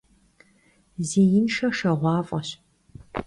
Zêinşşe şşeğuaf'eş.